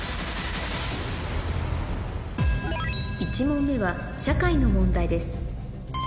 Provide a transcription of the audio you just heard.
１問目はの問題です